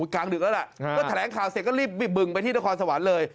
กลางดึกแล้วล่ะก็แถลงข่าวเสร็จก็รีบบึงไปที่นครสวรรค์เลย